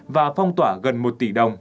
và phong tỏa gần một tỷ đồng